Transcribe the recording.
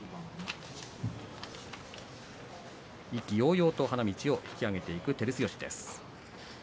意気揚々と花道を引き揚げていく照強です。